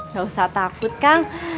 gak usah takut kang